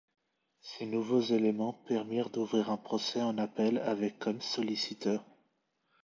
Ces nouveaux éléments permirent d'ouvrir un procès en appel avec comme solliciteur.